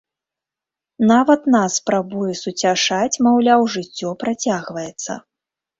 Нават нас спрабуе суцяшаць, маўляў, жыццё працягваецца.